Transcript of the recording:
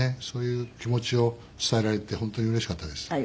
そういう気持ちを伝えられて本当にうれしかったです。